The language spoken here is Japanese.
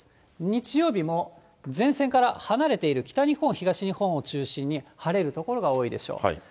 日曜日も前線から離れている北日本、東日本を中心に晴れる所が多いでしょう。